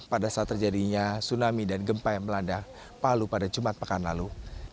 pada saat terjadinya tsunami dan gempa yang melanda palu pada jumat pekan lalu